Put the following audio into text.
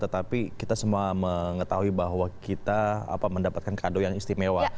tetapi kita semua mengetahui bahwa kita mendapatkan kado yang istimewa